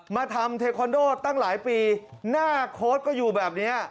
มาทำเทคอนโดตั้งหลายปีหน้าโค้ดก็อยู่แบบนี้